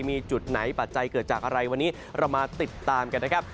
มีจุดไหนปัจจัยเกิดจากอะไรวันนี้เรามาติดตามกันนะครับ